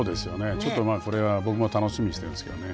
ちょっとまあこれは僕も楽しみにしてるんですけどね。